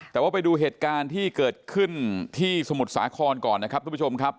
แต่ว่าไปดูเหตุการณ์ที่เกิดขึ้นที่สมุทรสาครก่อนนะครับทุกผู้ชมครับ